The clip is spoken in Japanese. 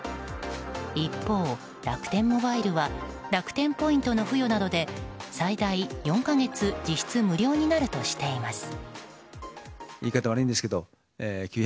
一方、楽天モバイルは楽天ポイントの付与などで最大４か月実質無料になるとしています。